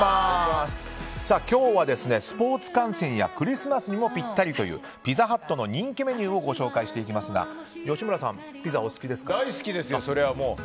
今日はスポーツ観戦やクリスマスにもぴったりというピザハットの人気メニューをご紹介していきますが大好きですよ、そりゃもう。